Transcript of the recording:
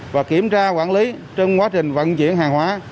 và kiểm tra quản lý trong quá trình vận chuyển hàng hóa